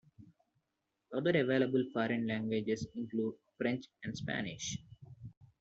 Other available foreign languages include French and Spanish.